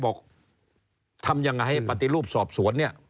บอกทำยังไงให้ปฏิรูปสอบสวนเนี่ย